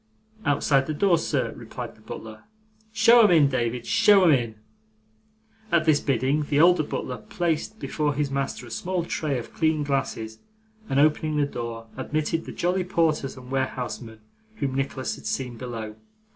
'Outside the door, sir,' replied the butler. 'Show 'em in, David, show 'em in.' At this bidding, the older butler placed before his master a small tray of clean glasses, and opening the door admitted the jolly porters and warehousemen whom Nicholas had seen below.